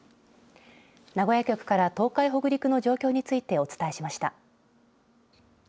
名古屋局から東海、北陸の状況についてお伝えしました。